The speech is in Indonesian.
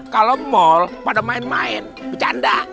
kalau mal pada main main bercanda